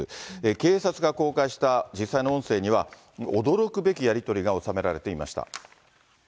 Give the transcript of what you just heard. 警察が公開した実際の音声には、驚くべきやり取りが収められていました。